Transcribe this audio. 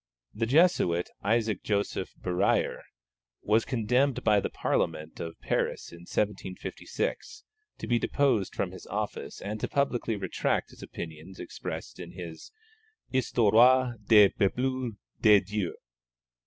The Jesuit Isaac Joseph Berruyer was condemned by the Parliament of Paris in 1756 to be deposed from his office and to publicly retract his opinions expressed in his Histoire du Peuple de Dieu.